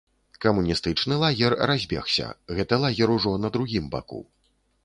Камуністычны лагер разбегся, гэты лагер ужо на другім баку.